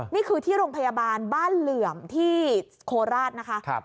นี่คือที่โรงพยาบาลบ้านเหลื่อมที่โคราชนะคะ